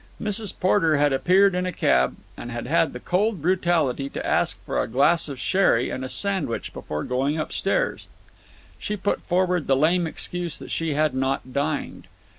Mrs. Porter had appeared in a cab and had had the cold brutality to ask for a glass of sherry and a sandwich before going upstairs. She put forward the lame excuse that she had not dined.